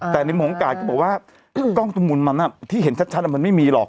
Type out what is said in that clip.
แต่ในมุมกาดจะบอกว่ากล้องทุมมุลมันน่ะที่เห็นชัดชัดมันไม่มีหรอก